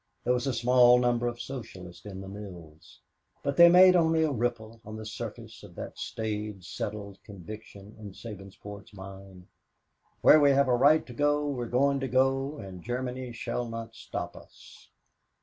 There was a small number of Socialists in the mills. But they made only a ripple on the surface of that staid, settled conviction in Sabinsport's mind "where we have a right to go, we're going to go, and Germany shall not stop us."